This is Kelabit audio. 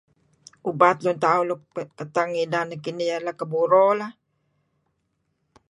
Ubat lun tauh nuk kateng inan nekinih iah iyeh Keburo lah.